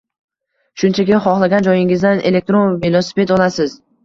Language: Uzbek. Shunchaki, xohlagan joyingizdan elektron velosiped olasiz.